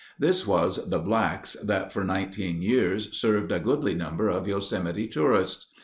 This was the "Black's" that for nineteen years served a goodly number of Yosemite tourists.